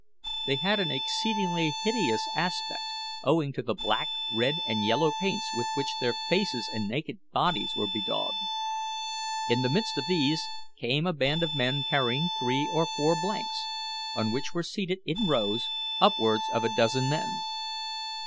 They had an exceedingly hideous aspect, owing to the black, red, and yellow paints with which their faces and naked bodies were bedaubed. In the midst of these came a band of men carrying three or four planks, on which were seated, in rows, upwards of a dozen men.